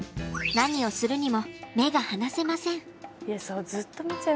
何をするにも目が離せません。